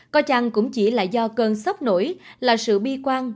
có chăng cũng chỉ là do cơn sốc nổi là sự bi quan